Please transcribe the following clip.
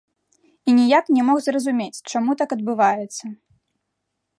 І ніяк не мог зразумець, чаму так адбываецца.